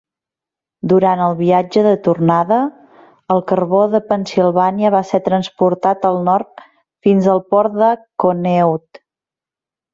Durant el viatge de tornada, el carbó de Pennsilvània va ser transportat al nord fins al port de Conneaut.